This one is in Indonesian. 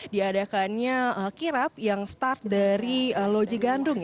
diadakannya kirap yang start dari loji gandung ya